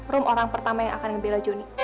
rum orang pertama yang akan ngebela jony